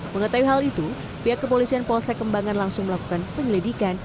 mengetahui hal itu pihak kepolisian polsek kembangan langsung melakukan penyelidikan